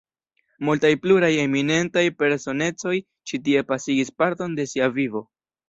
Multaj pluraj eminentaj personecoj ĉi tie pasigis parton de sia vivo.